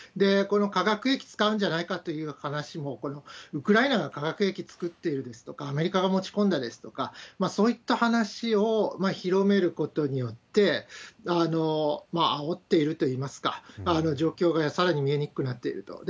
この化学兵器使うんじゃないかという話もウクライナが化学兵器作っているですとか、アメリカが持ち込んだですとか、そういった話を広めることによって、あおっているといいますか、状況がさらに見えにくくなっていると。